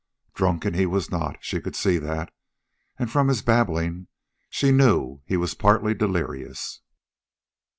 Drunken he was not, she could see that, and from his babbling she knew he was partly delirious.